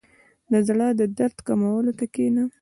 • د زړۀ د درد کمولو ته کښېنه.